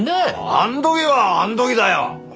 あん時はあん時だよ。